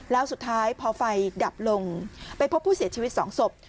แล้วสุดท้ายพอไฟดับลงไปพบผู้เสียชีวิต๒ศพ